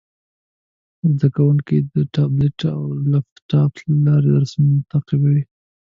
زده کوونکي د ټابلیټ او لپټاپ له لارې درسونه تعقیبوي.